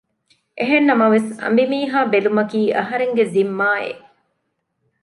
އެހެންނަމަވެސް އަނބިމީހާ ބެލުމަކީ އަހަރެންގެ ޒިންމާއެއް